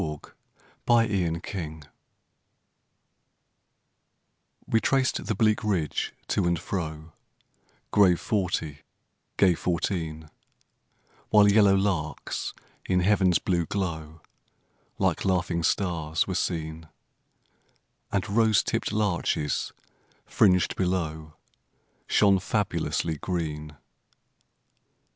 22 The Train of Life We traced the bleak ridge, to and fro, Grave forty, gay fourteen ; While yellow larks, in heaven's blue glow, Like laughing stars were seen, And rose tipp'd larches, fringed below, Shone fabulously green.